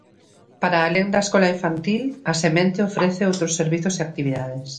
Para alén da escola infantil, a Semente ofrece outros servizos e actividades.